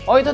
oh itu itu